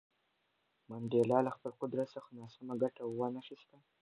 منډېلا له خپل قدرت څخه ناسمه ګټه ونه خیسته.